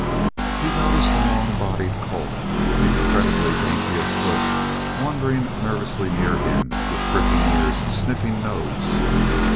He noticed a long bodied colt, incredibly dainty of foot, wandering nervously near him with pricking ears and sniffing nose.